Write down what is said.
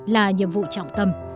là nhiệm vụ trọng tâm